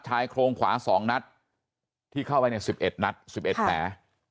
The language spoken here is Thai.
ชายโครงขวา๒นัดที่เข้าไปใน๑๑นัด๑๑แผล